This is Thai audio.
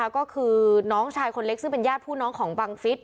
ก็คือน้องชายคนเล็กซึ่งเป็นญาติผู้น้องของบังฟิศ